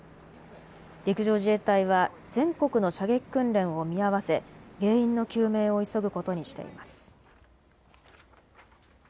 陸上自衛隊は全国の射撃訓練を見合わせ、原因の究明を急ぐことにしています。